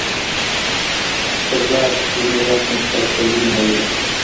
تضاد ځینې وخت مثبت بدلون راوړي.